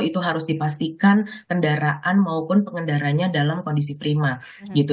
itu harus dipastikan kendaraan maupun pengendaranya dalam kondisi prima gitu